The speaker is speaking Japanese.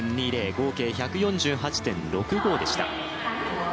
合計１４８．６５でした。